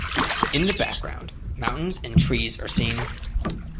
In the background mountains and trees are seen.